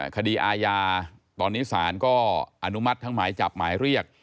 คดีอาญาตอนนี้ศาลก็อนุมัติทั้งหมายจับหมายเรียก